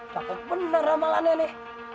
takut benar ramalan nenek